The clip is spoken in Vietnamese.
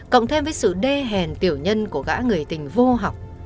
cộng thêm với sự đê hèn tiểu nhân của gã người tình vô học